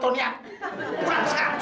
pulang sekarang juga